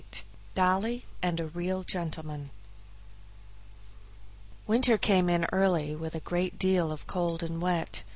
38 Dolly and a Real Gentleman Winter came in early, with a great deal of cold and wet.